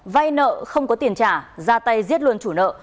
vay nợ không có tiền trả ra tay giết luôn chủ nợ